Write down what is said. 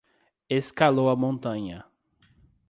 Escalou a montanha